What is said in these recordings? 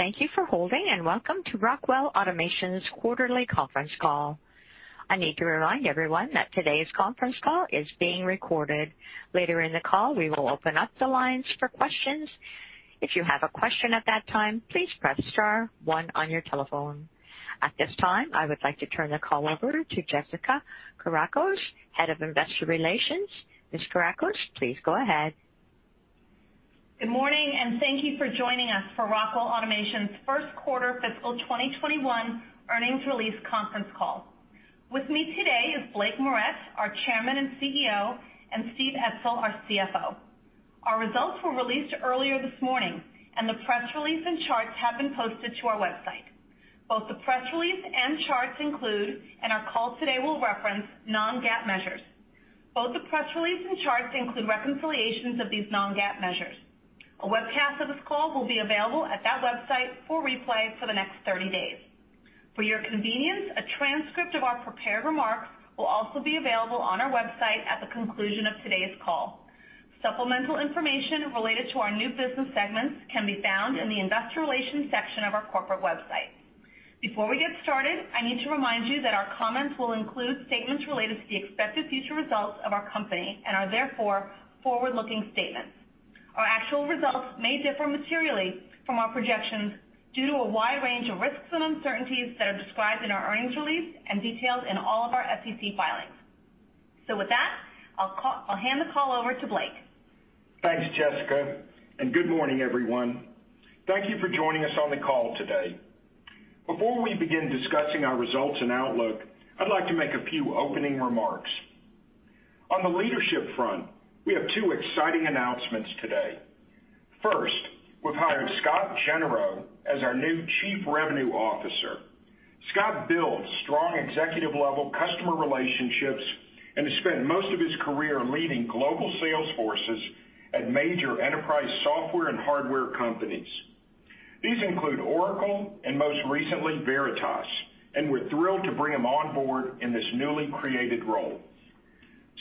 Thank you for holding, and welcome to Rockwell Automation's quarterly conference call. I need to remind everyone that today's conference call is being recorded. Later in the call, we will open up the lines for questions. If you have a question at that time, please press star one on your telephone. At this time, I would like to turn the call over to Jessica Kourakos, Head of Investor Relations. Ms. Kourakos, please go ahead. Good morning, and thank you for joining us for Rockwell Automation's first quarter fiscal 2021 earnings release conference call. With me today is Blake Moret, our Chairman and CEO, and Steve Etzel, our CFO. Our results were released earlier this morning, and the press release and charts have been posted to our website. Both the press release and charts include, and our call today will reference, non-GAAP measures. Both the press release and charts include reconciliations of these non-GAAP measures. A webcast of this call will be available at that website for replay for the next 30 days. For your convenience, a transcript of our prepared remarks will also be available on our website at the conclusion of today's call. Supplemental information related to our new business segments can be found in the investor relations section of our corporate website. Before we get started, I need to remind you that our comments will include statements related to the expected future results of our company and are therefore forward-looking statements. Our actual results may differ materially from our projections due to a wide range of risks and uncertainties that are described in our earnings release and detailed in all of our SEC filings. With that, I'll hand the call over to Blake. Thanks, Jessica, and good morning, everyone. Thank you for joining us on the call today. Before we begin discussing our results and outlook, I'd like to make a few opening remarks. On the leadership front, we have two exciting announcements today. First, we've hired Scott Genereux as our new Chief Revenue Officer. Scott built strong executive-level customer relationships and has spent most of his career leading global sales forces at major enterprise software and hardware companies. These include Oracle and most recently Veritas, and we're thrilled to bring him on board in this newly created role.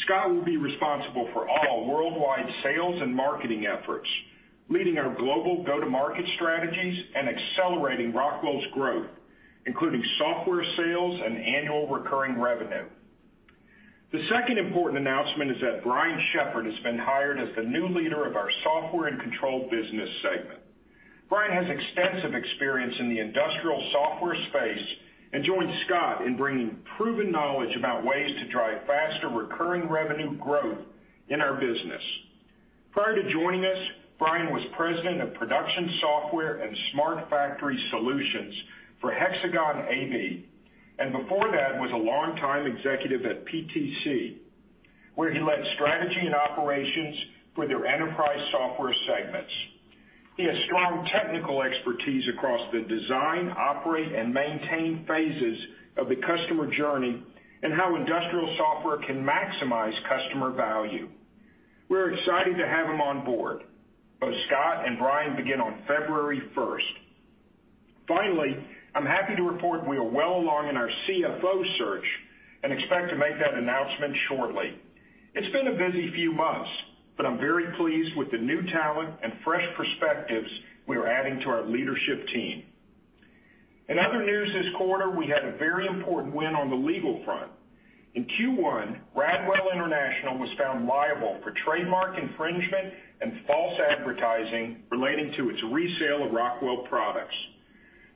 Scott will be responsible for all worldwide sales and marketing efforts, leading our global go-to-market strategies and accelerating Rockwell's growth, including software sales and annual recurring revenue. The second important announcement is that Brian Shepherd has been hired as the new leader of our Software & Control business segment. Brian has extensive experience in the industrial software space and joins Scott in bringing proven knowledge about ways to drive faster recurring revenue growth in our business. Prior to joining us, Brian was president of production software and smart factory solutions for Hexagon AB, and before that, was a long-time executive at PTC, where he led strategy and operations for their enterprise software segments. He has strong technical expertise across the design, operate, and maintain phases of the customer journey and how industrial software can maximize customer value. We're excited to have him on board. Both Scott and Brian begin on February1st. Finally, I'm happy to report we are well along in our CFO search and expect to make that announcement shortly. It's been a busy few months, but I'm very pleased with the new talent and fresh perspectives we are adding to our leadership team. In other news this quarter, we had a very important win on the legal front. In Q1, Radwell International was found liable for trademark infringement and false advertising relating to its resale of Rockwell products.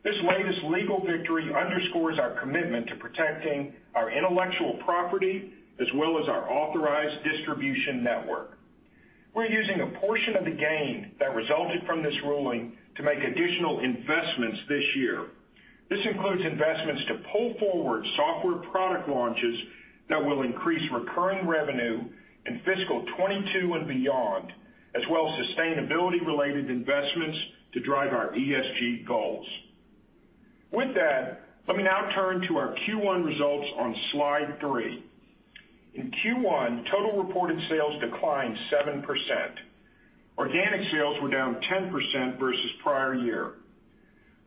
This latest legal victory underscores our commitment to protecting our intellectual property as well as our authorized distribution network. We're using a portion of the gain that resulted from this ruling to make additional investments this year. This includes investments to pull forward software product launches that will increase recurring revenue in fiscal 2022 and beyond, as well as sustainability-related investments to drive our ESG goals. With that, let me now turn to our Q1 results on slide three. In Q1, total reported sales declined 7%. Organic sales were down 10% versus prior year.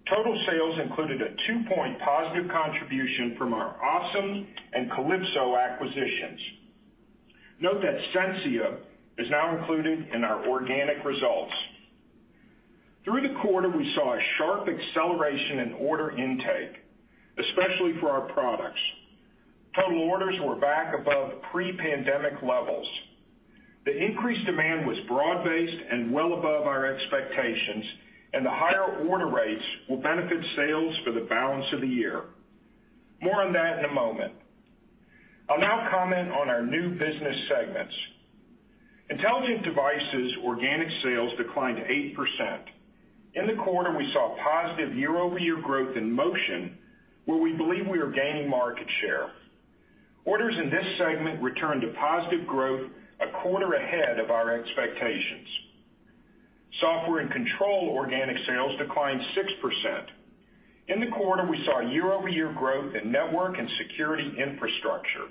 Total sales included a 2 point positive contribution from our ASEM and Kalypso acquisitions. Note that Sensia is now included in our organic results. Through the quarter, we saw a sharp acceleration in order intake, especially for our products. Total orders were back above pre-pandemic levels. The increased demand was broad-based and well above our expectations. The higher order rates will benefit sales for the balance of the year. More on that in a moment. I'll now comment on our new business segments. Intelligent Devices organic sales declined 8%. In the quarter, we saw positive year-over-year growth in motion, where we believe we are gaining market share. Orders in this segment returned to positive growth a quarter ahead of our expectations. Software & Control organic sales declined 6%. In the quarter, we saw year-over-year growth in network and security infrastructure.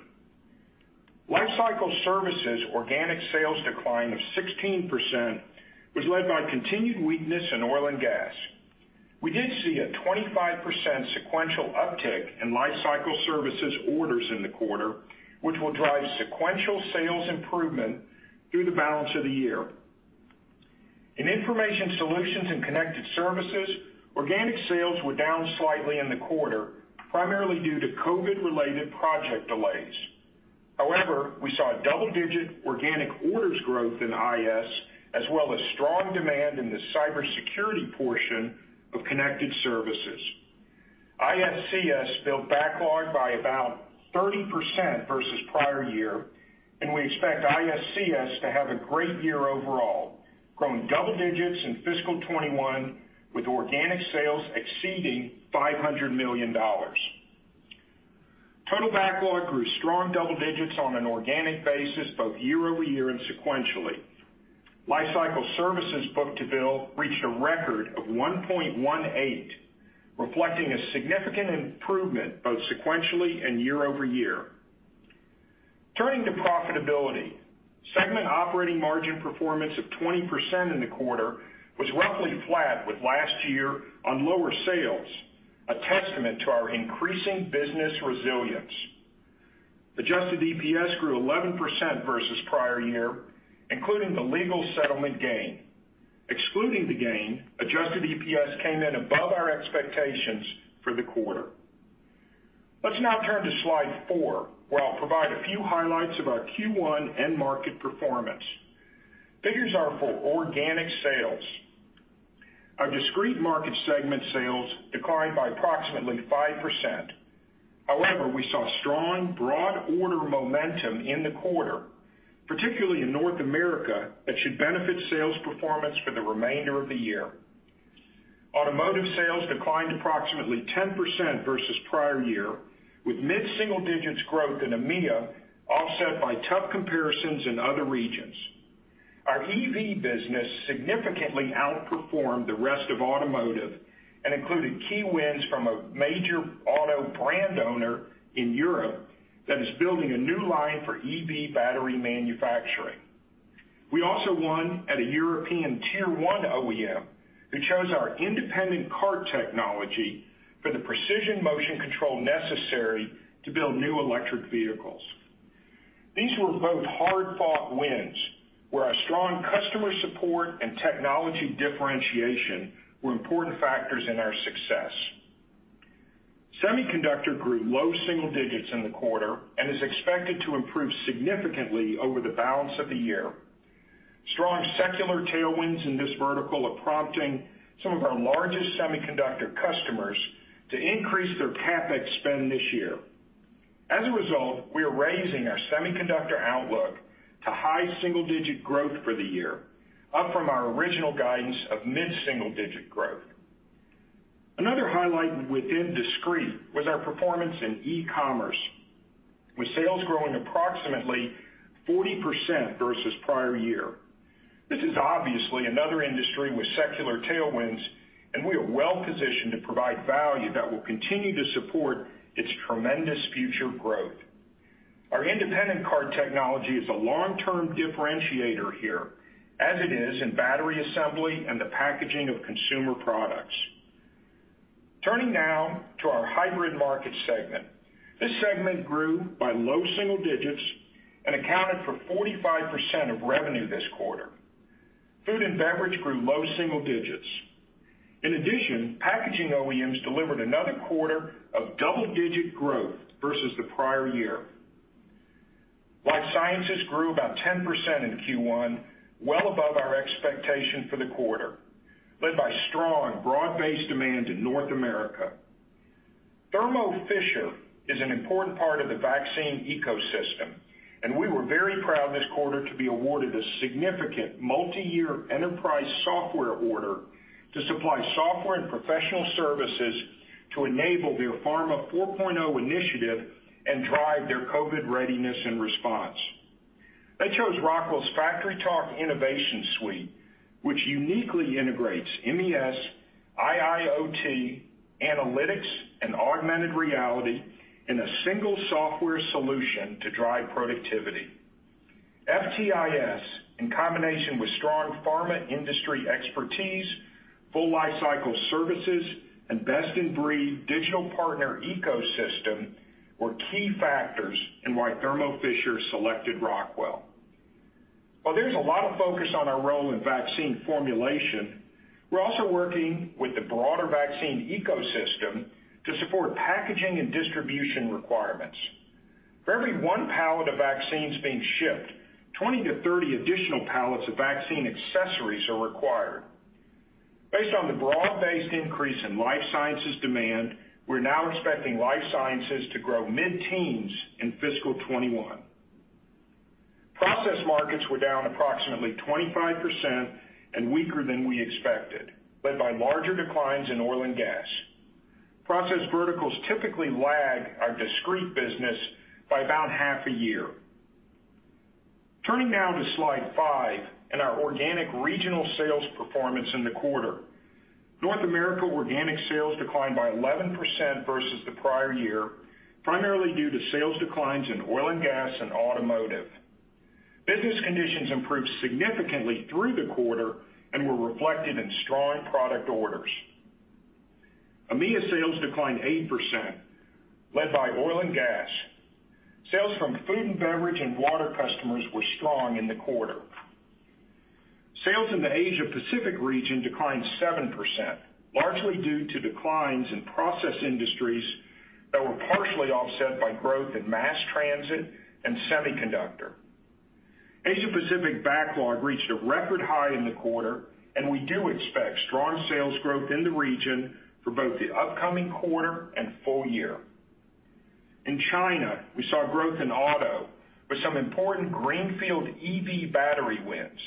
Lifecycle Services organic sales decline of 16% was led by continued weakness in oil and gas. We did see a 25% sequential uptick in Lifecycle Services orders in the quarter, which will drive sequential sales improvement through the balance of the year. In Information Solutions and Connected Services, organic sales were down slightly in the quarter, primarily due to COVID-related project delays. However, we saw double-digit organic orders growth in IS, as well as strong demand in the cybersecurity portion of Connected Services. IS&CS built backlog by about 30% versus prior year, and we expect IS&CS to have a great year overall, growing double digits in fiscal 2021, with organic sales exceeding $500 million. Total backlog grew strong double digits on an organic basis, both year-over-year and sequentially. Lifecycle Services book to bill reached a record of 1.18, reflecting a significant improvement both sequentially and year-over-year. Turning to profitability, segment operating margin performance of 20% in the quarter was roughly flat with last year on lower sales, a testament to our increasing business resilience. Adjusted EPS grew 11% versus the prior year, including the legal settlement gain. Excluding the gain, adjusted EPS came in above our expectations for the quarter. Let's now turn to slide four, where I'll provide a few highlights of our Q1 end market performance. Figures are for organic sales. Our discrete market segment sales declined by approximately 5%. We saw strong broad order momentum in the quarter, particularly in North America, that should benefit sales performance for the remainder of the year. Automotive sales declined approximately 10% versus the prior year, with mid-single digits growth in EMEA, offset by tough comparisons in other regions. Our EV business significantly outperformed the rest of automotive and included key wins from a major auto brand owner in Europe that is building a new line for EV battery manufacturing. We also won at a European Tier 1 OEM, who chose our Independent Cart Technology for the precision motion control necessary to build new electric vehicles. These were both hard-fought wins, where our strong customer support and technology differentiation were important factors in our success. Semiconductor grew low single digits in the quarter and is expected to improve significantly over the balance of the year. Strong secular tailwinds in this vertical are prompting some of our largest semiconductor customers to increase their CapEx spend this year. As a result, we are raising our semiconductor outlook to high single-digit growth for the year, up from our original guidance of mid-single-digit growth. Another highlight within discrete was our performance in e-commerce, with sales growing approximately 40% versus the prior year. This is obviously another industry with secular tailwinds, and we are well-positioned to provide value that will continue to support its tremendous future growth. Our Independent Cart Technology is a long-term differentiator here, as it is in battery assembly and the packaging of consumer products. Turning now to our hybrid market segment. This segment grew by low single digits and accounted for 45% of revenue this quarter. Food and beverage grew low single digits. In addition, packaging OEMs delivered another quarter of double-digit growth versus the prior year. Life sciences grew about 10% in Q1, well above our expectation for the quarter, led by strong broad-based demand in North America. Thermo Fisher is an important part of the vaccine ecosystem. We were very proud this quarter to be awarded a significant multi-year enterprise software order to supply software and professional services to enable their Pharma 4.0 initiative and drive their COVID readiness and response. They chose Rockwell's FactoryTalk Innovation Suite, which uniquely integrates MES, IIoT, analytics, and augmented reality in a single software solution to drive productivity. FTIS, in combination with strong pharma industry expertise, full Lifecycle Services, and best-in-breed digital partner ecosystem, were key factors in why Thermo Fisher selected Rockwell. While there's a lot of focus on our role in vaccine formulation, we're also working with the broader vaccine ecosystem to support packaging and distribution requirements. For every one pallet of vaccines being shipped, 20-30 additional pallets of vaccine accessories are required. Based on the broad-based increase in life sciences demand, we're now expecting life sciences to grow mid-teens in fiscal 2021. Process markets were down approximately 25% and weaker than we expected, led by larger declines in oil and gas. Process verticals typically lag our discrete business by about half a year. Turning now to slide five and our organic regional sales performance in the quarter. North America organic sales declined by 11% versus the prior year, primarily due to sales declines in oil and gas and automotive. Business conditions improved significantly through the quarter and were reflected in strong product orders. EMEA sales declined 8%, led by oil and gas. Sales from food and beverage and water customers were strong in the quarter. Sales in the Asia-Pacific region declined 7%, largely due to declines in process industries that were partially offset by growth in mass transit and semiconductor. Asia-Pacific backlog reached a record high in the quarter, and we do expect strong sales growth in the region for both the upcoming quarter and full year. In China, we saw growth in auto, with some important greenfield EV battery wins.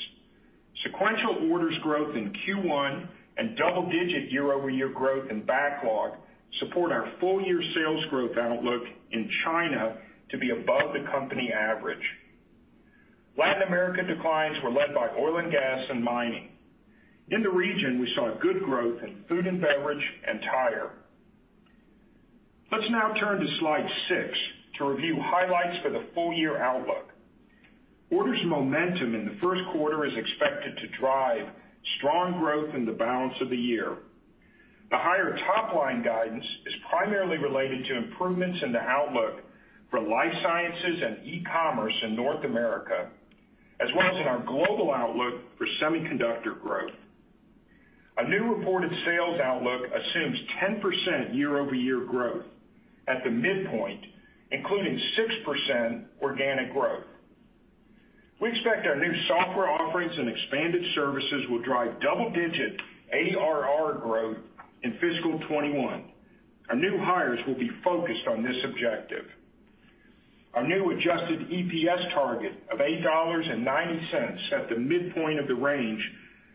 Sequential orders growth in Q1 and double-digit year-over-year growth in backlog support our full-year sales growth outlook in China to be above the company average. Latin America declines were led by oil and gas and mining. In the region, we saw good growth in food and beverage and tire. Let's now turn to slide six to review highlights for the full-year outlook. Orders momentum in the first quarter is expected to drive strong growth in the balance of the year. The higher top-line guidance is primarily related to improvements in the outlook for life sciences and e-commerce in North America, as well as in our global outlook for semiconductor growth. Our new reported sales outlook assumes 10% year-over-year growth at the midpoint, including 6% organic growth. We expect our new software offerings and expanded services will drive double-digit ARR growth in fiscal 2021. Our new hires will be focused on this objective. Our new adjusted EPS target of $8.90 at the midpoint of the range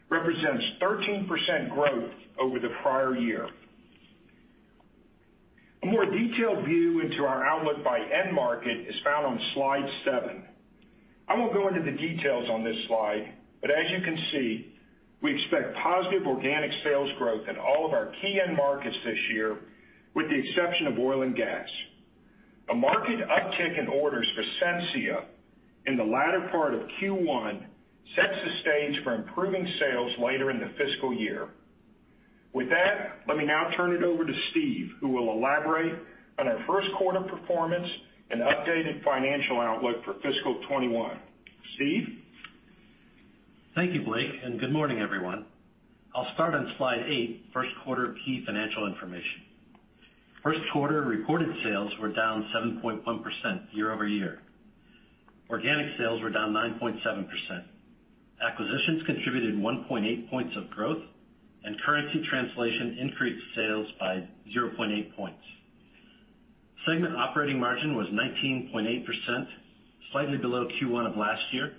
represents 13% growth over the prior year. A more detailed view into our outlook by end market is found on slide seven. I won't go into the details on this slide, but as you can see, we expect positive organic sales growth in all of our key end markets this year, with the exception of oil and gas. A market uptick in orders for Sensia in the latter part of Q1 sets the stage for improving sales later in the fiscal year. With that, let me now turn it over to Steve, who will elaborate on our first quarter performance and updated financial outlook for fiscal 2021. Steve? Thank you, Blake, and good morning, everyone. I'll start on slide eight, first quarter key financial information. First quarter reported sales were down 7.1% year-over-year. Organic sales were down 9.7%. Acquisitions contributed 1.8 points of growth, and currency translation increased sales by 0.8 points. Segment operating margin was 19.8%, slightly below Q1 of last year.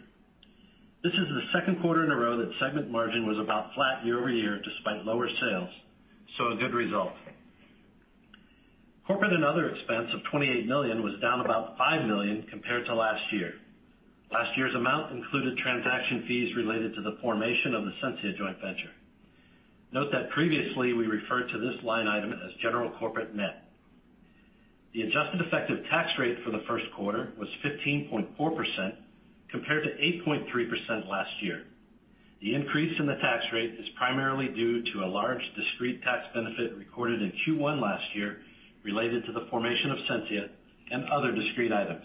This is the second quarter in a row that segment margin was about flat year-over-year despite lower sales, so a good result. Corporate and Other Expense of $28 million was down about $5 million compared to last year. Last year's amount included transaction fees related to the formation of the Sensia joint venture. Note that previously we referred to this line item as general corporate net. The Adjusted Effective Tax Rate for the first quarter was 15.4%, compared to 8.3% last year. The increase in the tax rate is primarily due to a large discrete tax benefit recorded in Q1 last year related to the formation of Sensia and other discrete items.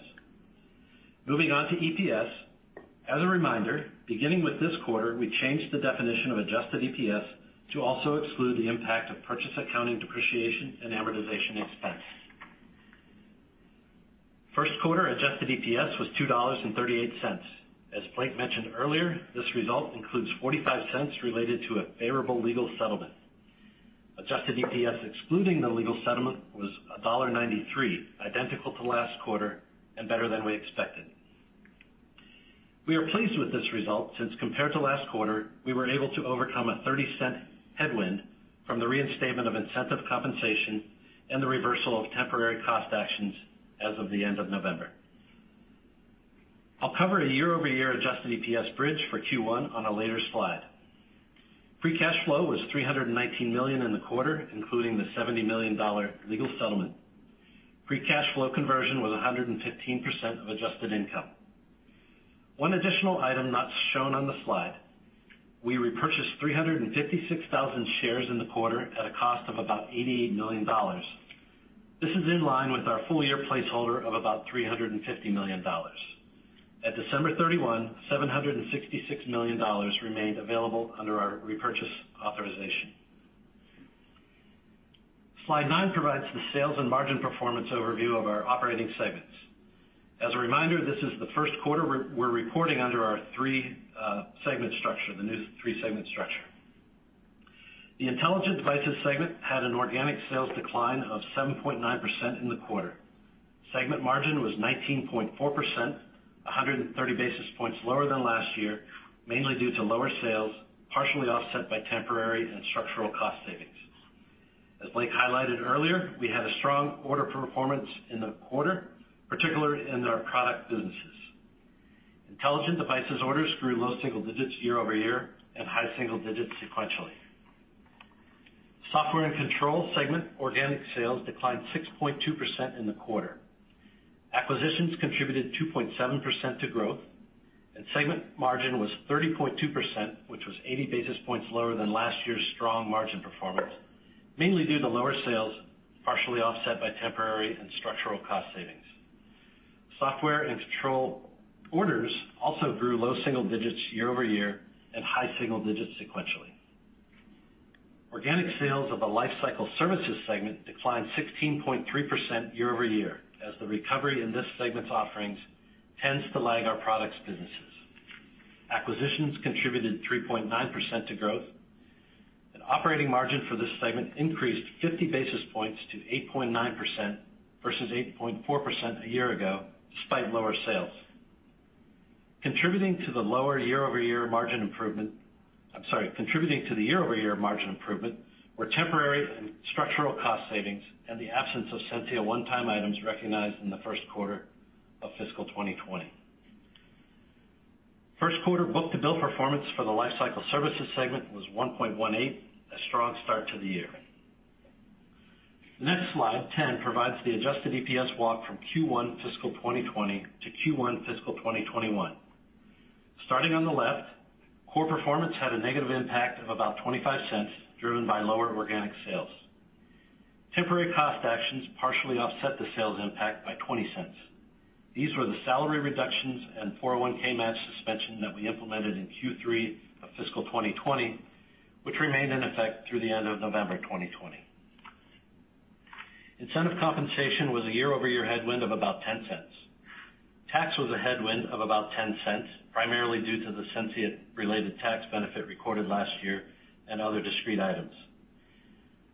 Moving on to EPS. As a reminder, beginning with this quarter, we changed the definition of adjusted EPS to also exclude the impact of purchase accounting depreciation and amortization expense. First quarter adjusted EPS was $2.38. As Blake mentioned earlier, this result includes $0.45 related to a favorable legal settlement. Adjusted EPS excluding the legal settlement was $1.93, identical to last quarter and better than we expected. We are pleased with this result since, compared to last quarter, we were able to overcome a $0.30 headwind from the reinstatement of incentive compensation and the reversal of temporary cost actions as of the end of November. I'll cover a year-over-year adjusted EPS bridge for Q1 on a later slide. Free cash flow was $319 million in the quarter, including the $70 million legal settlement. Free cash flow conversion was 115% of adjusted income. One additional item not shown on the slide, we repurchased 356,000 shares in the quarter at a cost of about $88 million. This is in line with our full-year placeholder of about $350 million. At December 31, $766 million remained available under our repurchase authorization. Slide nine provides the sales and margin performance overview of our operating segments. As a reminder, this is the first quarter we're reporting under our three-segment structure, the new three-segment structure. The Intelligent Devices segment had an organic sales decline of 7.9% in the quarter. Segment margin was 19.4%, 130 basis points lower than last year, mainly due to lower sales, partially offset by temporary and structural cost savings. As Blake highlighted earlier, we had a strong order performance in the quarter, particularly in our product businesses. Intelligent Devices orders grew low single digits year-over-year and high single digits sequentially. Software & Control segment organic sales declined 6.2% in the quarter. Acquisitions contributed 2.7% to growth, and segment margin was 30.2%, which was 80 basis points lower than last year's strong margin performance, mainly due to lower sales, partially offset by temporary and structural cost savings. Software & Control orders also grew low single digits year-over-year and high single digits sequentially. Organic sales of the Lifecycle Services segment declined 16.3% year-over-year as the recovery in this segment's offerings tends to lag our products businesses. Acquisitions contributed 3.9% to growth, and operating margin for this segment increased 50 basis points to 8.9% versus 8.4% a year ago, despite lower sales. Contributing to the year-over-year margin improvement were temporary and structural cost savings and the absence of Sensia one-time items recognized in the first quarter of fiscal 2020. First quarter book-to-bill performance for the Lifecycle Services segment was 1.18, a strong start to the year. Next slide 10 provides the adjusted EPS walk from Q1 fiscal 2020 to Q1 fiscal 2021. Starting on the left, core performance had a negative impact of about $0.25, driven by lower organic sales. Temporary cost actions partially offset the sales impact by $0.20. These were the salary reductions and 401(k) match suspension that we implemented in Q3 of fiscal 2020, which remained in effect through the end of November 2020. Incentive compensation was a year-over-year headwind of about $0.10. Tax was a headwind of about $0.10, primarily due to the Sensia related tax benefit recorded last year and other discrete items.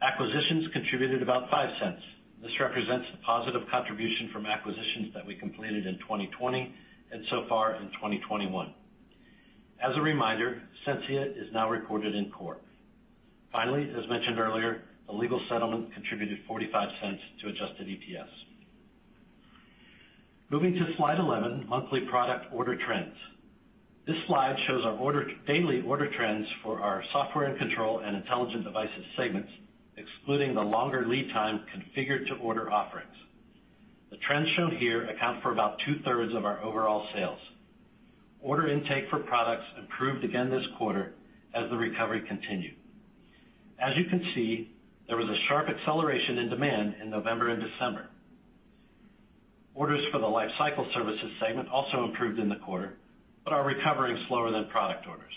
Acquisitions contributed about $0.05. This represents a positive contribution from acquisitions that we completed in 2020 and so far in 2021. As a reminder, Sensia is now reported in core. Finally, as mentioned earlier, a legal settlement contributed $0.45 to adjusted EPS. Moving to slide 11, monthly product order trends. This slide shows our daily order trends for our Software & Control and Intelligent Devices segments, excluding the longer lead time configured to order offerings. The trends shown here account for about 2/3s of our overall sales. Order intake for products improved again this quarter as the recovery continued. As you can see, there was a sharp acceleration in demand in November and December. Orders for the Lifecycle Services segment also improved in the quarter but are recovering slower than product orders.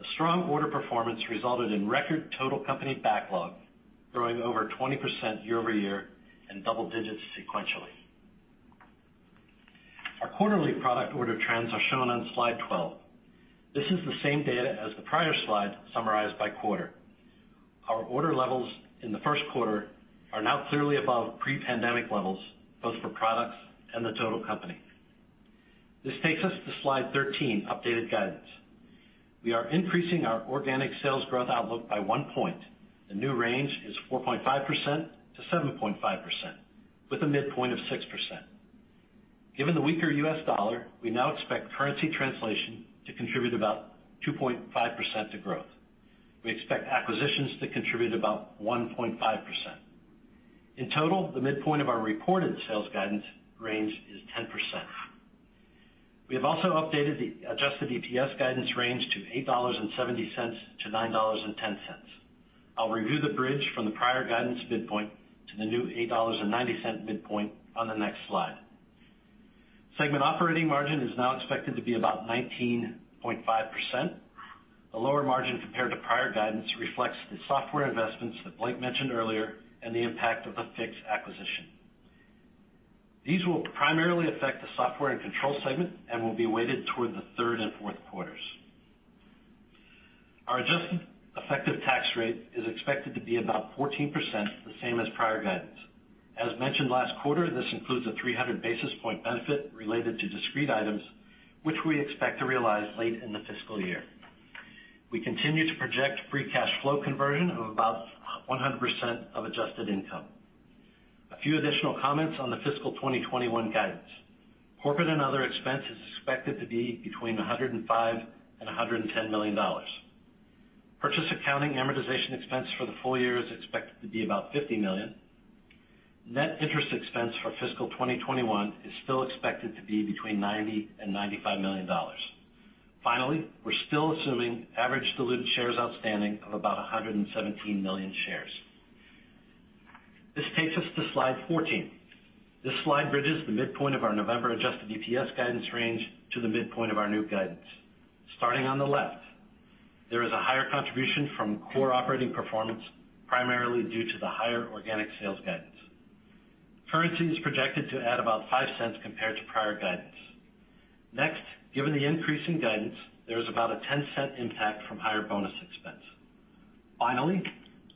A strong order performance resulted in record total company backlog growing over 20% year-over-year in double digits sequentially. Our quarterly product order trends are shown on slide 12. This is the same data as the prior slide summarized by quarter. Our order levels in the first quarter are now clearly above pre-pandemic levels, both for products and the total company. This takes us to slide 13, updated guidance. We are increasing our organic sales growth outlook by 1 point. The new range is 4.5%-7.5%, with a midpoint of 6%. Given the weaker U.S. dollar, we now expect currency translation to contribute about 2.5% to growth. We expect acquisitions to contribute about 1.5%. In total, the midpoint of our reported sales guidance range is 10%. We have also updated the adjusted EPS guidance range to $8.70-$9.10. I'll review the bridge from the prior guidance midpoint to the new $8.90 midpoint on the next slide. Segment operating margin is now expected to be about 19.5%. A lower margin compared to prior guidance reflects the software investments that Blake mentioned earlier and the impact of the Fiix acquisition. These will primarily affect the Software & Control segment and will be weighted toward the third and fourth quarters. Our adjusted effective tax rate is expected to be about 14%, the same as prior guidance. As mentioned last quarter, this includes a 300-basis point benefit related to discrete items, which we expect to realize late in the fiscal year. We continue to project free cash flow conversion of about 100% of adjusted income. A few additional comments on the fiscal 2021 guidance. Corporate and other expense is expected to be between $105 million and $110 million. Purchase accounting amortization expense for the full year is expected to be about $50 million. Net interest expense for fiscal 2021 is still expected to be between $90 million and $95 million. Finally, we're still assuming average diluted shares outstanding of about 117 million shares. This takes us to slide 14. This slide bridges the midpoint of our November adjusted EPS guidance range to the midpoint of our new guidance. Starting on the left, there is a higher contribution from core operating performance, primarily due to the higher organic sales guidance. Currency is projected to add about $0.05 compared to prior guidance. Next, given the increase in guidance, there is about a $0.10 impact from higher bonus expense. Finally,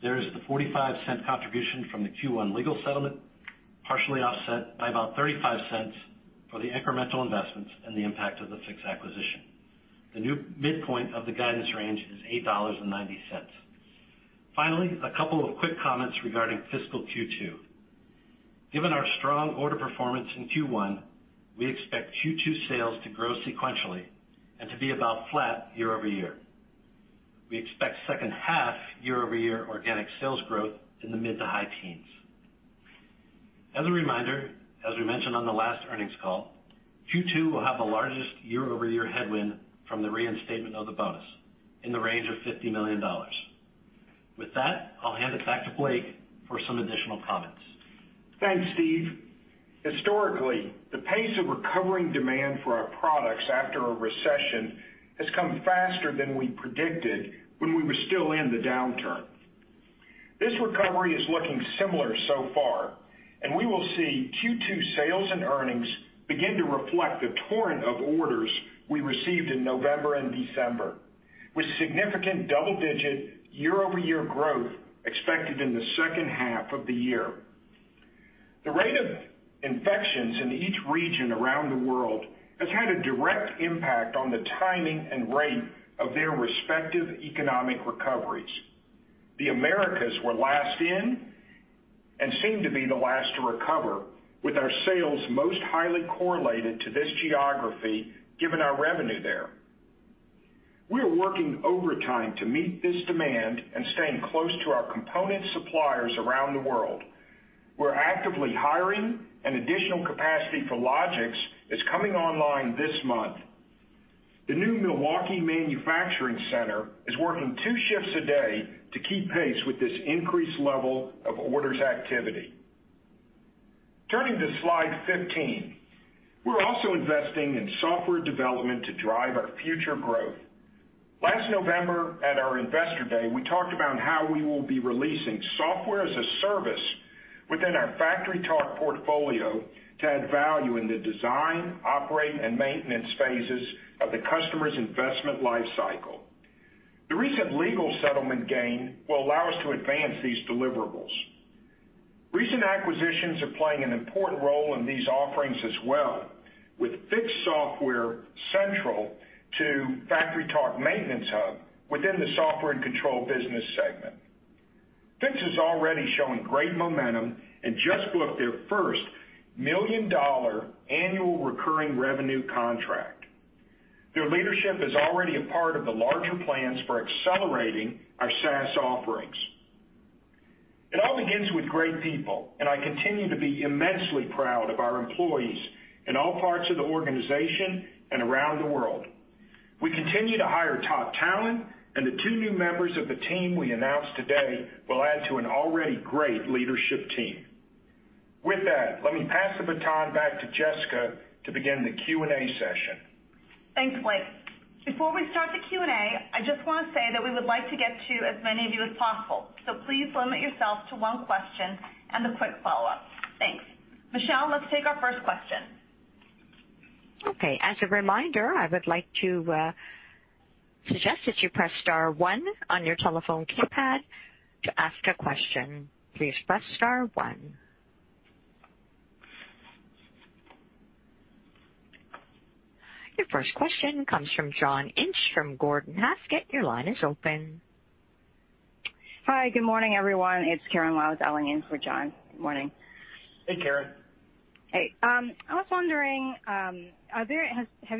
there is the $0.45 contribution from the Q1 legal settlement, partially offset by about $0.35 for the incremental investments and the impact of the Fiix acquisition. The new midpoint of the guidance range is $8.90. Finally, a couple of quick comments regarding fiscal Q2. Given our strong order performance in Q1, we expect Q2 sales to grow sequentially and to be about flat year-over-year. We expect second half year-over-year organic sales growth in the mid to high teens. As a reminder, as we mentioned on the last earnings call, Q2 will have the largest year-over-year headwind from the reinstatement of the bonus in the range of $50 million. With that, I'll hand it back to Blake for some additional comments. Thanks, Steve. Historically, the pace of recovering demand for our products after a recession has come faster than we predicted when we were still in the downturn. This recovery is looking similar so far, and we will see Q2 sales and earnings begin to reflect the torrent of orders we received in November and December, with significant double-digit year-over-year growth expected in the second half of the year. The rate of infections in each region around the world has had a direct impact on the timing and rate of their respective economic recoveries. The Americas were last in and seem to be the last to recover, with our sales most highly correlated to this geography, given our revenue there. We are working overtime to meet this demand and staying close to our component suppliers around the world. We're actively hiring, and additional capacity for Logix is coming online this month. The new Milwaukee manufacturing center is working two shifts a day to keep pace with this increased level of orders activity. Turning to slide 15. We're also investing in software development to drive our future growth. Last November at our Investor Day, we talked about how we will be releasing software as a service within our FactoryTalk portfolio to add value in the design, operate, and maintenance phases of the customer's investment life cycle. The recent legal settlement gain will allow us to advance these deliverables. Recent acquisitions are playing an important role in these offerings as well, with Fiix Software central to FactoryTalk Maintenance Hub within the Software & Control business segment. Fiix has already shown great momentum and just booked their first $1 million annual recurring revenue contract. Their leadership is already a part of the larger plans for accelerating our SaaS offerings. It all begins with great people. I continue to be immensely proud of our employees in all parts of the organization and around the world. We continue to hire top talent. The two new members of the team we announced today will add to an already great leadership team. With that, let me pass the baton back to Jessica to begin the Q&A session. Thanks, Blake. Before we start the Q&A, I just want to say that we would like to get to as many of you as possible. Please limit yourself to one question and a quick follow-up. Thanks. Michelle, let's take our first question. Okay. As a reminder, I would like to suggest that you press star one on your telephone keypad to ask a question. Please press star one. Your first question comes from John Inch from Gordon Haskett. Your line is open. Hi, good morning, everyone. It's Karen Lau dialing in for John. Good morning. Hey, Karen. Hey. I was wondering, have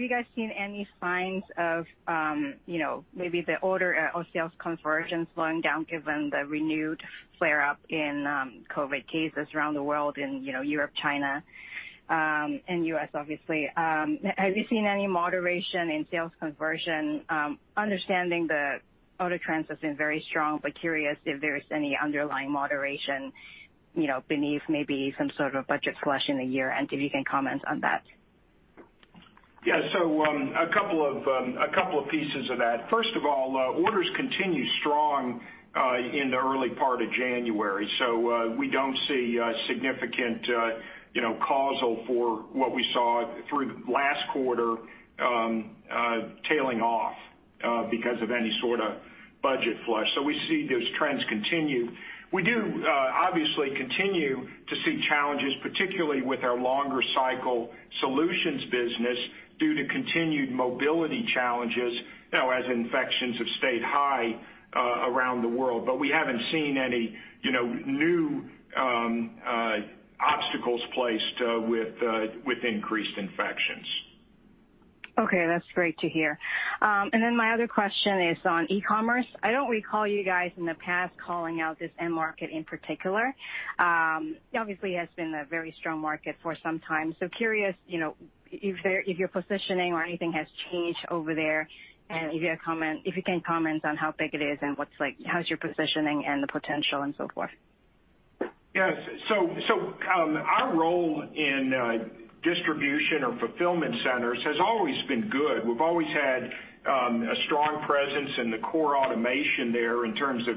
you guys seen any signs of maybe the order or sales conversion slowing down given the renewed flare-up in COVID cases around the world in Europe, China, and U.S., obviously? Have you seen any moderation in sales conversion? Understanding the order trends have been very strong, curious if there's any underlying moderation beneath maybe some sort of budget flush in the year, and if you can comment on that. Yeah. A couple of pieces of that. First of all, orders continue strong in the early part of January, we don't see significant causal for what we saw through last quarter tailing off because of any sort of budget flush. We see those trends continue. We do obviously continue to see challenges, particularly with our longer cycle solutions business due to continued mobility challenges, as infections have stayed high around the world. We haven't seen any new obstacles placed with increased infections. Okay, that's great to hear. My other question is on e-commerce. I don't recall you guys in the past calling out this end market in particular. Obviously, it has been a very strong market for some time. Curious if your positioning or anything has changed over there, and if you can comment on how big it is and how's your positioning and the potential and so forth? Yes. Our role in distribution or fulfillment centers has always been good. We've always had a strong presence in the core automation there in terms of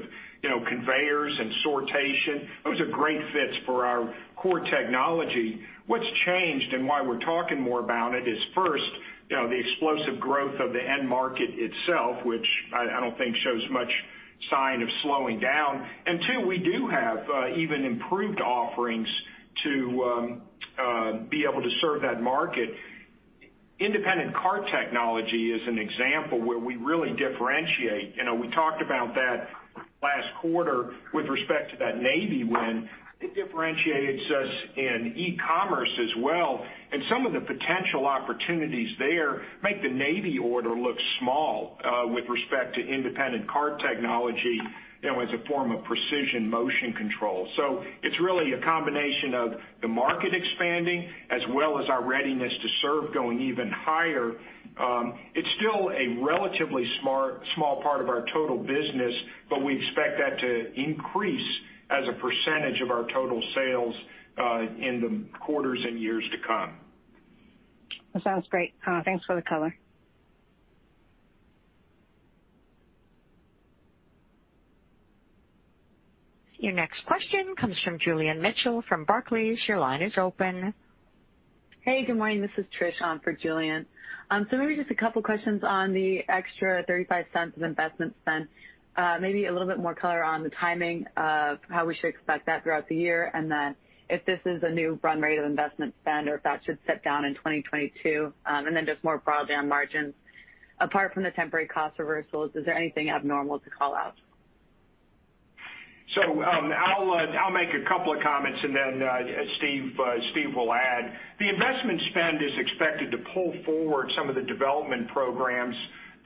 conveyors and sortation. Those are great fits for our core technology. What's changed and why we're talking more about it is first, the explosive growth of the end market itself, which I don't think shows much sign of slowing down. Two, we do have even improved offerings to be able to serve that market. Independent Cart Technology is an example where we really differentiate. We talked quarter with respect to that Navy win, it differentiates us in e-commerce as well, and some of the potential opportunities there make the Navy order look small with respect to Independent Cart Technology as a form of precision motion control. It's really a combination of the market expanding as well as our readiness to serve going even higher. It's still a relatively small part of our total business, but we expect that to increase as a percentage of our total sales in the quarters and years to come. That sounds great. Thanks for the color. Your next question comes from Julian Mitchell from Barclays. Your line is open. Hey, good morning. This is Trish on for Julian. Just a couple questions on the extra $0.35 of investment spend. A little bit more color on the timing of how we should expect that throughout the year, if this is a new run rate of investment spend or if that should step down in 2022. Just more broad down margins. Apart from the temporary cost reversals, is there anything abnormal to call out? I'll make a couple of comments and then Steve will add. The investment spend is expected to pull forward some of the development programs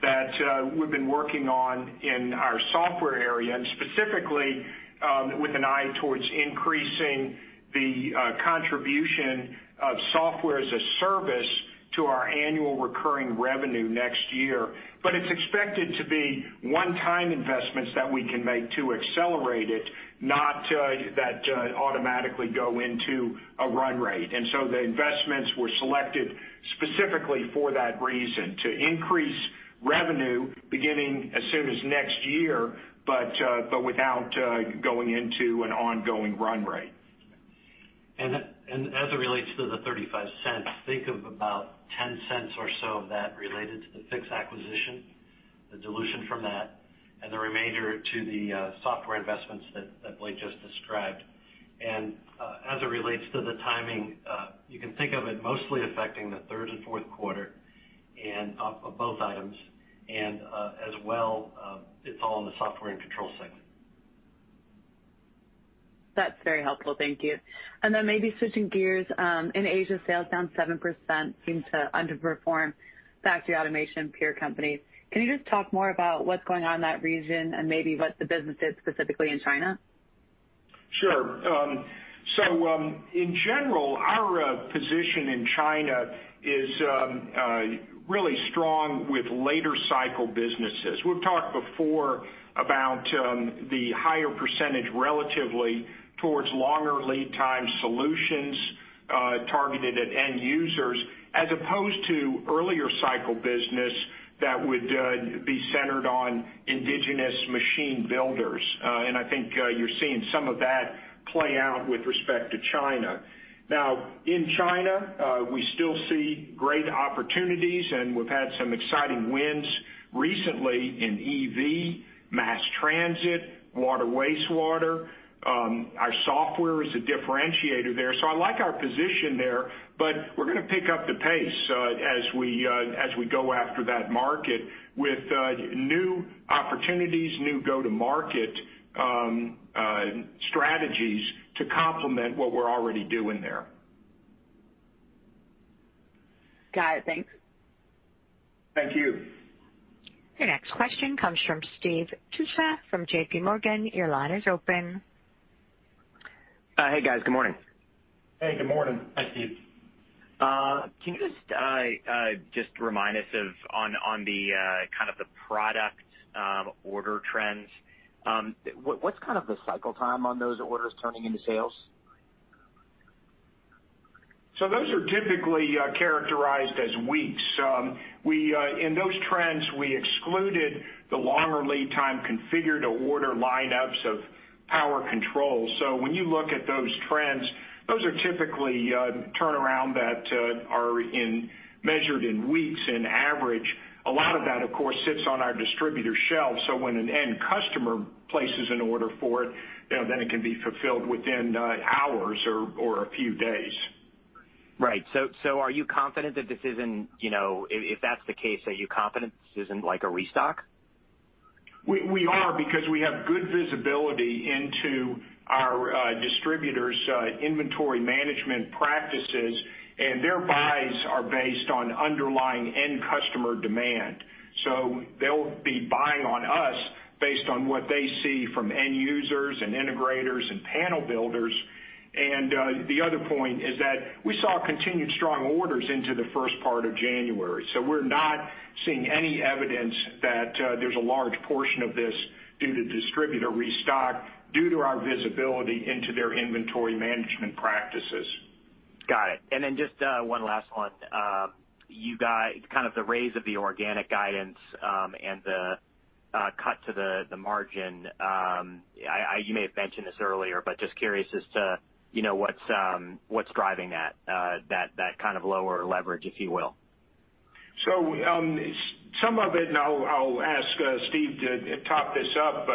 that we've been working on in our software area, and specifically with an eye towards increasing the contribution of software as a service to our annual recurring revenue next year. It's expected to be one-time investments that we can make to accelerate it, not that automatically go into a run rate. The investments were selected specifically for that reason, to increase revenue beginning as soon as next year, but without going into an ongoing run rate. As it relates to the $0.35, think of about $0.10 or so of that related to the Fiix acquisition, the dilution from that, and the remainder to the software investments that Blake just described. As it relates to the timing, you can think of it mostly affecting the third and fourth quarter of both items, and as well, it's all in the Software & Control segment. That's very helpful. Thank you. Then maybe switching gears. In Asia, sales down 7% seem to underperform factory automation peer companies. Can you just talk more about what's going on in that region and maybe what the business did specifically in China? Sure. In general, our position in China is really strong with later cycle businesses. We've talked before about the higher percentage relatively towards longer lead time solutions targeted at end users as opposed to earlier cycle business that would be centered on indigenous machine builders. I think you're seeing some of that play out with respect to China. Now, in China, we still see great opportunities, and we've had some exciting wins recently in EV, mass transit, water, wastewater. Our software is a differentiator there. I like our position there, but we're going to pick up the pace as we go after that market with new opportunities, new go-to-market strategies to complement what we're already doing there. Got it. Thanks. Thank you. Your next question comes from Steve Tusa from JPMorgan. Your line is open. Hey, guys. Good morning. Hey, good morning. Hi, Steve. Can you just remind us of on the kind of the product order trends, what's kind of the cycle time on those orders turning into sales? Those are typically characterized as weeks. In those trends, we excluded the longer lead time configure-to-order lineups of power controls. When you look at those trends, those are typically turnaround that are measured in weeks in average. A lot of that, of course, sits on our distributor shelf, so when an end customer places an order for it, then it can be fulfilled within hours or a few days. Right. Are you confident that this isn't, if that's the case, are you confident this isn't like a restock? We are because we have good visibility into our distributors' inventory management practices, and their buys are based on underlying end customer demand. They'll be buying on us based on what they see from end users and integrators and panel builders. The other point is that we saw continued strong orders into the first part of January. We're not seeing any evidence that there's a large portion of this due to distributor restock, due to our visibility into their inventory management practices. Got it. Just one last one. You guys, kind of the raise of the organic guidance and the cut to the margin. You may have mentioned this earlier, just curious as to what's driving that? Kind of lower leverage, if you will. Some of it, and I'll ask Steve to top this up,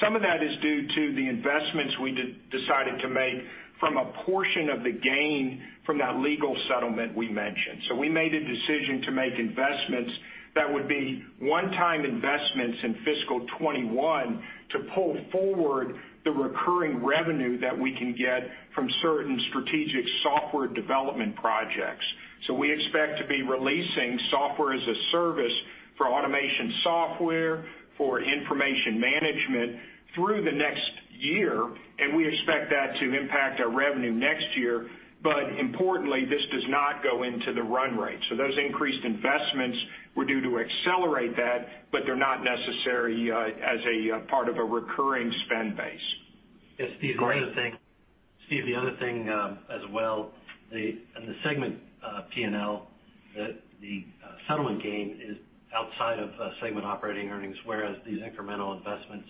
some of that is due to the investments we decided to make from a portion of the gain from that legal settlement we mentioned. We made a decision to make investments that would be one-time investments in FY 2021 to pull forward the recurring revenue that we can get from certain strategic software development projects. We expect to be releasing Software as a Service for automation software, for information management through the next year, and we expect that to impact our revenue next year. Importantly, this does not go into the run rate. Those increased investments were due to accelerate that, they're not necessary as a part of a recurring spend base. Yes, Steve. The other thing... Steve, the other thing as well, on the segment P&L, the settlement gain is outside of segment operating earnings, whereas these incremental investments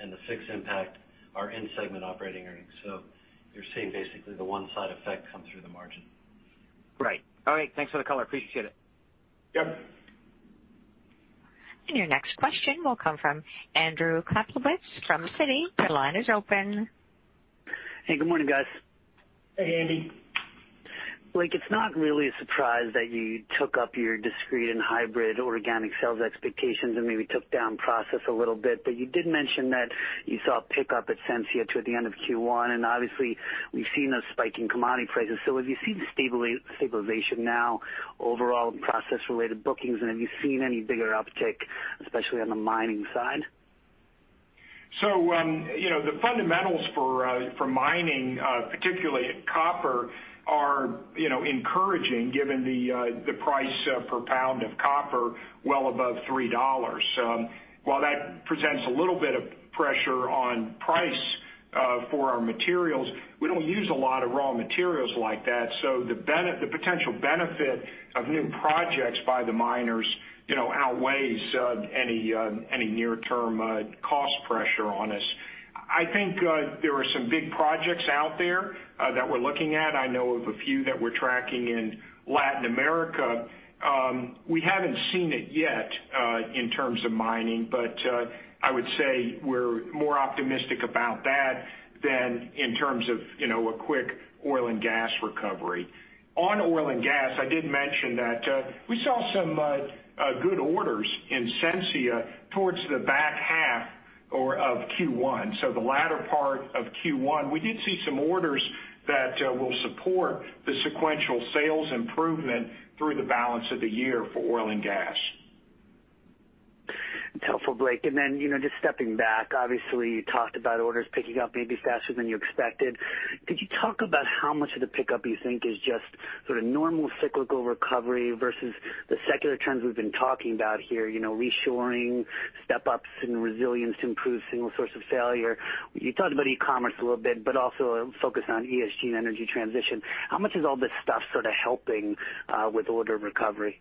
and the Fiix impact are in segment operating earnings. You're seeing basically the one side effect come through the margin. Right. All right. Thanks for the color. Appreciate it. Yep. Your next question will come from Andrew Kaplowitz from Citi. Your line is open. Hey, good morning, guys. Hey, Andy. Blake, it's not really a surprise that you took up your discrete and hybrid organic sales expectations and maybe took down process a little bit, but you did mention that you saw a pickup at Sensia toward the end of Q1, and obviously we've seen those spiking commodity prices. Have you seen stabilization now overall in process-related bookings, and have you seen any bigger uptick, especially on the mining side? The fundamentals for mining, particularly copper, are encouraging given the price per pound of copper well above $3. While that presents a little bit of pressure on price for our materials, we don't use a lot of raw materials like that, so the potential benefit of new projects by the miners outweighs any near-term cost pressure on us. I think there are some big projects out there that we're looking at. I know of a few that we're tracking in Latin America. We haven't seen it yet in terms of mining, but I would say we're more optimistic about that than in terms of a quick oil and gas recovery. On oil and gas, I did mention that we saw some good orders in Sensia towards the back half of Q1. The latter part of Q1, we did see some orders that will support the sequential sales improvement through the balance of the year for oil and gas. Helpful, Blake. Then just stepping back, obviously, you talked about orders picking up maybe faster than you expected. Could you talk about how much of the pickup you think is just sort of normal cyclical recovery versus the secular trends we've been talking about here, reshoring, step-ups in resilience to improve single source of failure? You talked about e-commerce a little bit. Also a focus on ESG and energy transition. How much is all this stuff sort of helping with order recovery?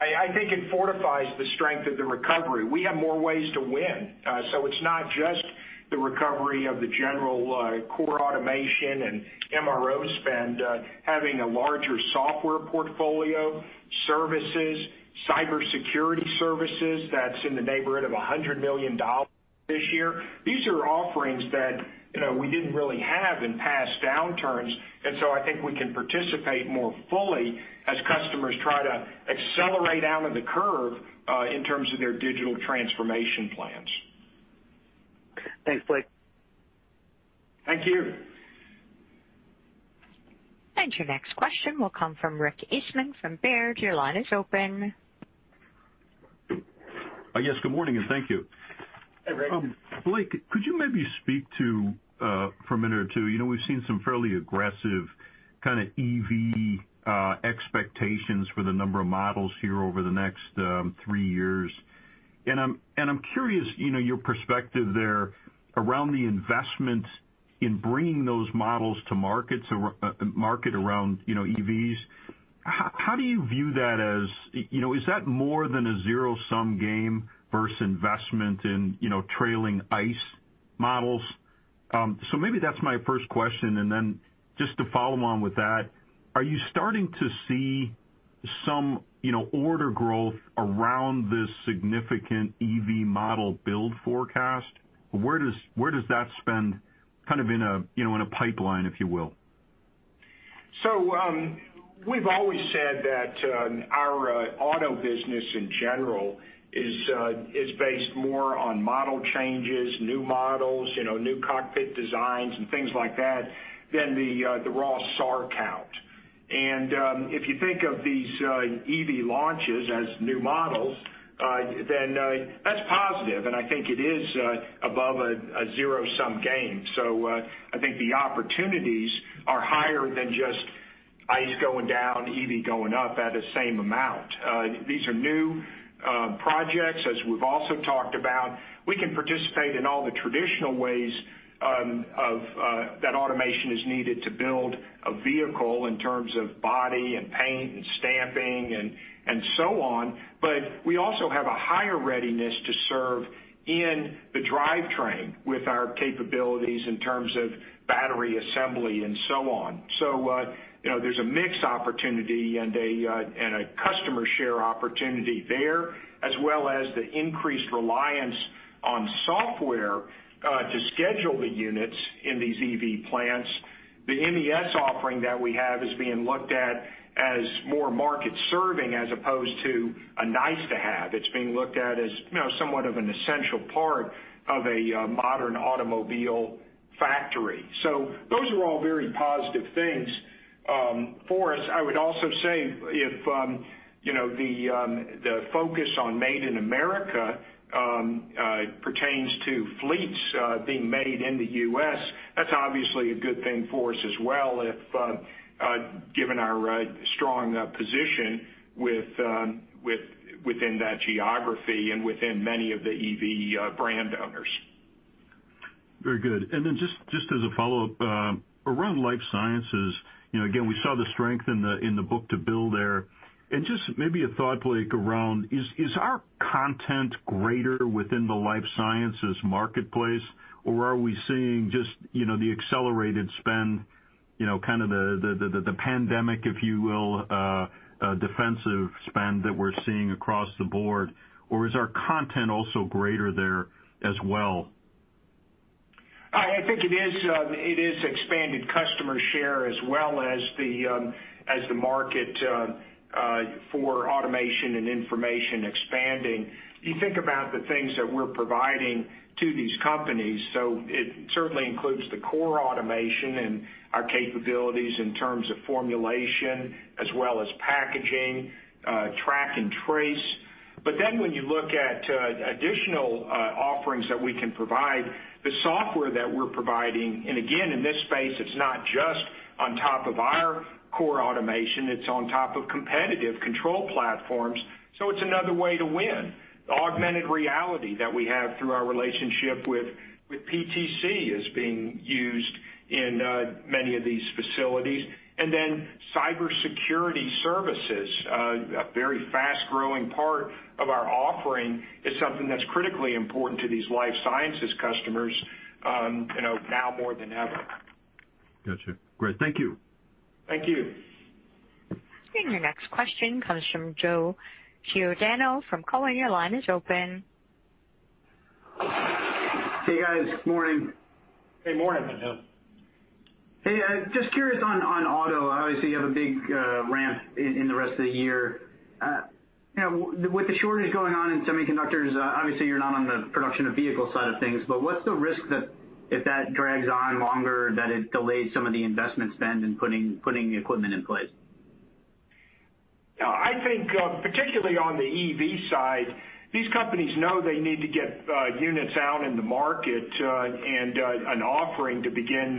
I think it fortifies the strength of the recovery. We have more ways to win. It's not just the recovery of the general core automation and MRO spend. Having a larger software portfolio, services, cybersecurity services, that's in the neighborhood of $100 million this year. These are offerings that we didn't really have in past downturns, and so I think we can participate more fully as customers try to accelerate out of the curve in terms of their digital transformation plans. Thanks, Blake. Thank you. Your next question will come from Rick Eastman from Baird. Your line is open. Yes, good morning, and thank you. Hey, Rick. Blake, could you maybe speak to for a minute or two, we've seen some fairly aggressive kind of EV expectations for the number of models here over the next three years. I'm curious, your perspective there around the investment in bringing those models to market around EVs. How do you view that, is that more than a zero-sum game versus investment in trailing ICE models? Maybe that's my first question. Then just to follow on with that, are you starting to see some order growth around this significant EV model build forecast? Where does that spend kind of in a pipeline, if you will? We've always said that our auto business in general is based more on model changes, new models, new cockpit designs, and things like that then the raw SAR count. If you think of these EV launches as new models, then that's positive, and I think it is above a zero-sum game. I think the opportunities are higher than just ICE going down, EV going up at the same amount. These are new projects, as we've also talked about. We can participate in all the traditional ways that automation is needed to build a vehicle, in terms of body and paint and stamping and so on. We also have a higher readiness to serve in the drivetrain with our capabilities in terms of battery assembly and so on. There's a mix opportunity and a customer share opportunity there, as well as the increased reliance on software to schedule the units in these EV plants. The MES offering that we have is being looked at as more market-serving, as opposed to a nice-to-have. It's being looked at as somewhat of an essential part of a modern automobile factory. Those are all very positive things for us. I would also say if the focus on Made in America pertains to fleets being made in the U.S., that's obviously a good thing for us as well, if given our strong position within that geography and within many of the EV brand owners. Very good. Just as a follow-up, around life sciences, again, we saw the strength in the book-to-bill there. Just maybe a thought, Blake, around is our content greater within the life sciences marketplace, or are we seeing just the accelerated spend, kind of the pandemic, if you will, defensive spend that we're seeing across the board? Or is our content also greater there as well? I think it is expanded customer share as well as the market for automation and information expanding. You think about the things that we're providing to these companies. It certainly includes the core automation and our capabilities in terms of formulation as well as packaging, track and trace. When you look at additional offerings that we can provide, the software that we're providing, and again, in this space, it's not just on top of our core automation, it's on top of competitive control platforms. It's another way to win. The augmented reality that we have through our relationship with PTC is being used in many of these facilities. Cybersecurity services, a very fast-growing part of our offering, is something that's critically important to these life sciences customers now more than ever. Got you. Great. Thank you. Thank you. Your next question comes from Joe Giordano from Cowen. Your line is open. Hey, guys. Good morning. Hey, morning, Joe. Hey, just curious on auto. Obviously, you have a big ramp in the rest of the year. With the shortage going on in semiconductors, obviously, you're not on the production of vehicle side of things, but what's the risk that if that drags on longer, that it delays some of the investment spend in putting equipment in place? I think particularly on the EV side, these companies know they need to get units out in the market and an offering to begin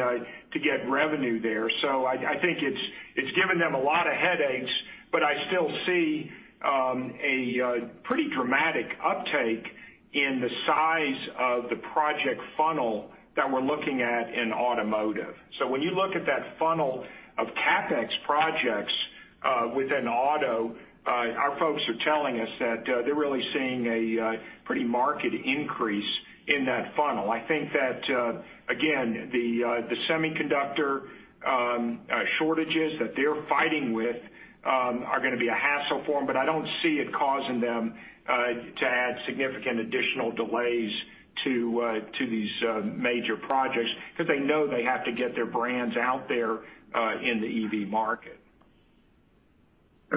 to get revenue there. I think it's given them a lot of headaches, but I still see a pretty dramatic uptake in the size of the project funnel that we're looking at in automotive. When you look at that funnel of CapEx projects within auto, our folks are telling us that they're really seeing a pretty marked increase in that funnel. I think that, again, the semiconductor shortages that they're fighting with are going to be a hassle for them, but I don't see it causing them to add significant additional delays to these major projects because they know they have to get their brands out there in the EV market.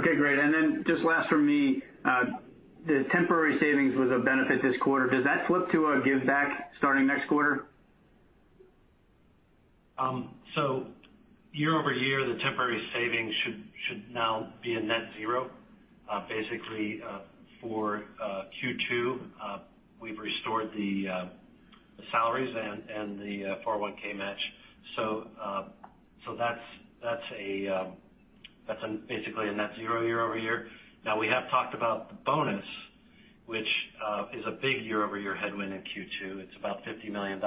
Okay, great. Just last from me, the temporary savings was a benefit this quarter. Does that flip to a giveback starting next quarter? Year-over-year, the temporary savings should now be a net zero. Basically, for Q2, we've restored the salaries and the 401 match. That's basically a net zero year-over-year. We have talked about the bonus, which is a big year-over-year headwind in Q2. It's about $50 million.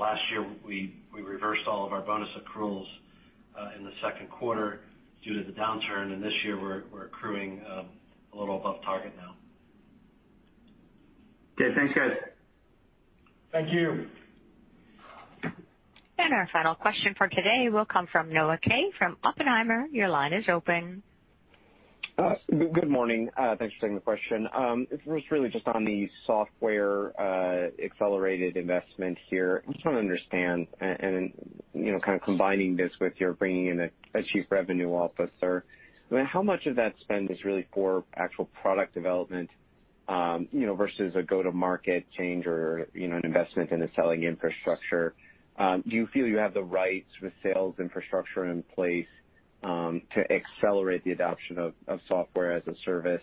Last year, we reversed all of our bonus accruals in the second quarter due to the downturn, and this year, we're accruing a little above target now. Okay. Thanks, guys. Thank you. Our final question for today will come from Noah Kaye from Oppenheimer. Your line is open. Good morning. Thanks for taking the question. This was really just on the software accelerated investment here. I just want to understand, kind of combining this with your bringing in a Chief Revenue Officer, how much of that spend is really for actual product development versus a go-to-market change or an investment in the selling infrastructure? Do you feel you have the right sort of sales infrastructure in place to accelerate the adoption of software as a service,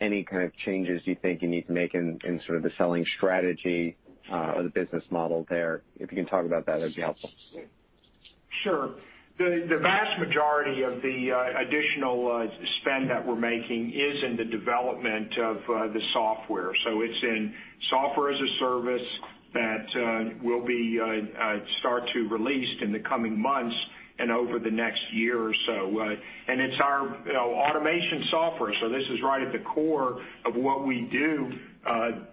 any kind of changes you think you need to make in sort of the selling strategy or the business model there? If you can talk about that, it'd be helpful. Sure. The vast majority of the additional spend that we're making is in the development of the software. It's in software as a service that will be start to released in the coming months and over the next year or so. It's our automation software. This is right at the core of what we do,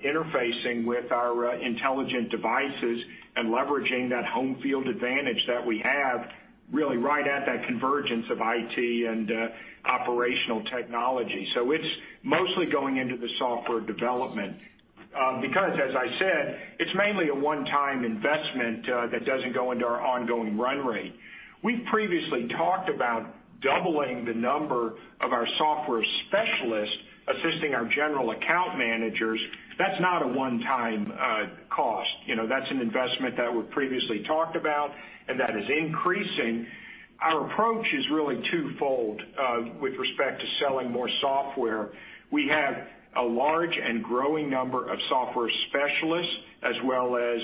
interfacing with our Intelligent Devices and leveraging that home field advantage that we have really right at that convergence of IT and operational technology. It's mostly going into the software development because, as I said, it's mainly a one-time investment that doesn't go into our ongoing run rate. We've previously talked about doubling the number of our software specialists assisting our general account managers. That's not a one-time cost. That's an investment that we previously talked about, that is increasing. Our approach is really twofold with respect to selling more software. We have a large and growing number of software specialists as well as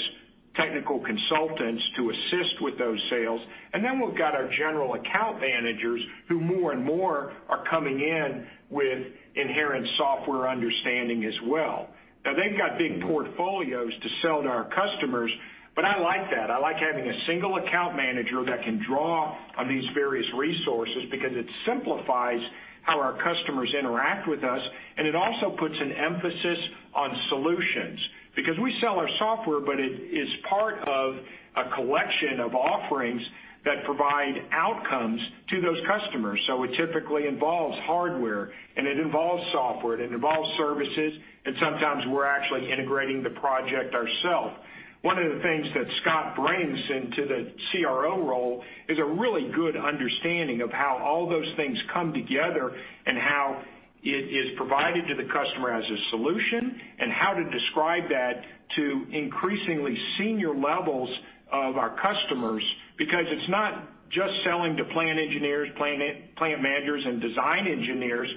technical consultants to assist with those sales. Then we've got our general account managers who more and more are coming in with inherent software understanding as well. They've got big portfolios to sell to our customers. I like that. I like having a single account manager that can draw on these various resources because it simplifies how our customers interact with us. It also puts an emphasis on solutions because we sell our software. It is part of a collection of offerings that provide outcomes to those customers. It typically involves hardware. It involves software. It involves services. Sometimes we're actually integrating the project ourself. One of the things that Scott brings into the CRO role is a really good understanding of how all those things come together and how it is provided to the customer as a solution, and how to describe that to increasingly senior levels of our customers because it's not just selling to plant engineers, plant managers, and design engineers.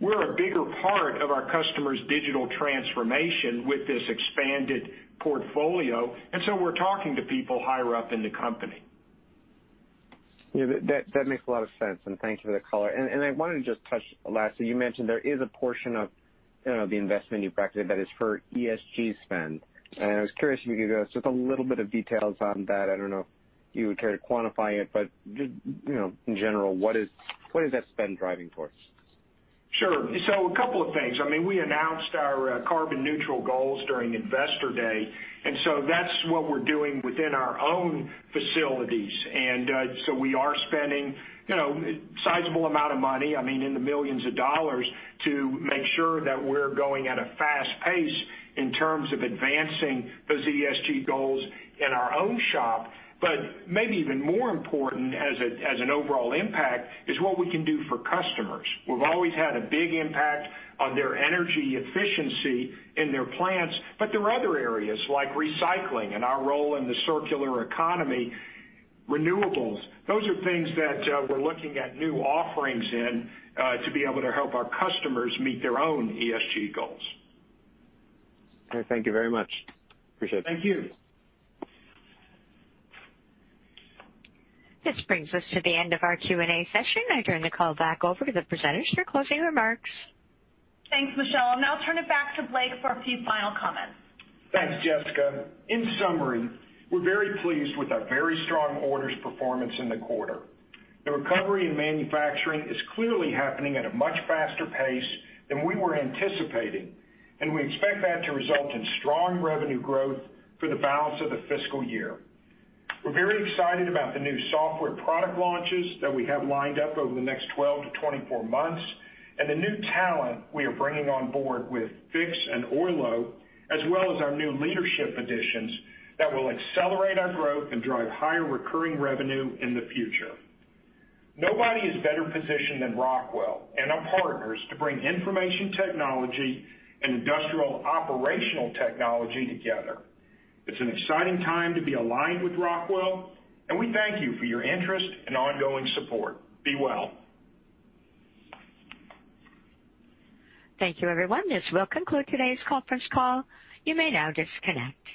We're a bigger part of our customers' digital transformation with this expanded portfolio, and so we're talking to people higher up in the company. Yeah, that makes a lot of sense, and thank you for the color. I wanted to just touch lastly, you mentioned there is a portion of the investment you've practiced that is for ESG spend. I was curious if you could go just a little bit of details on that. I don't know if you would care to quantify it, but just in general, what is that spend driving towards? Sure. A couple of things. We announced our carbon neutral goals during Investor Day, and that's what we're doing within our own facilities. We are spending a sizable amount of money, in the millions of dollars, to make sure that we're going at a fast pace in terms of advancing those ESG goals in our own shop. Maybe even more important as an overall impact is what we can do for customers. We've always had a big impact on their energy efficiency in their plants, but there are other areas like recycling and our role in the circular economy, renewables. Those are things that we're looking at new offerings in to be able to help our customers meet their own ESG goals. Thank you very much. Appreciate it. Thank you. This brings us to the end of our Q&A session. I turn the call back over to the presenters for closing remarks. Thanks, Michelle. I'll now turn it back to Blake for a few final comments. Thanks, Jessica. In summary, we're very pleased with our very strong orders performance in the quarter. The recovery in manufacturing is clearly happening at a much faster pace than we were anticipating. We expect that to result in strong revenue growth for the balance of the fiscal year. We're very excited about the new software product launches that we have lined up over the next 12-24 months and the new talent we are bringing on board with Fiix and Oylo, as well as our new leadership additions that will accelerate our growth and drive higher recurring revenue in the future. Nobody is better positioned than Rockwell and our partners to bring information technology and industrial operational technology together. It's an exciting time to be aligned with Rockwell, and we thank you for your interest and ongoing support. Be well. Thank you, everyone. This will conclude today's conference call. You may now disconnect.